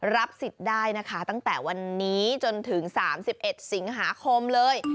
รับสิทธิ์ได้นะคะตั้งแต่วันนี้จนถึง๓๑สิงหาคมเลย